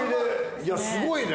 いやすごいね。